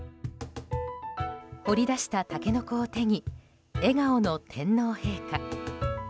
掘り出したタケノコを手に笑顔の天皇陛下。